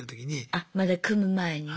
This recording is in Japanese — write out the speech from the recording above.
あまだ組む前にね。